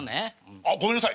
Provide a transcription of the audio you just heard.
あっごめんなさい。